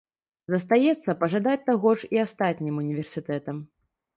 Застаецца пажадаць таго ж і астатнім універсітэтам.